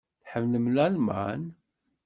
Tḥemmlem Lalman?